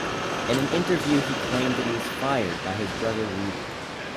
In an interview he claimed that he was fired by his brother Rudy.